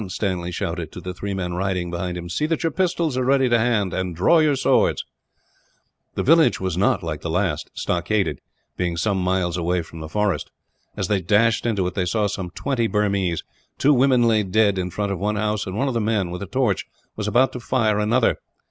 Stanley shouted, to the three men riding behind him. "See that your pistols are ready to hand, and draw your swords." Illustration: Stanley cut down the man who was about to fire the hut. This village was not, like the last, stockaded; being some miles away from the forest. As they dashed into it, they saw some twenty Burmese. Two women lay dead, in front of one house; and one of the men, with a torch, was about to fire another.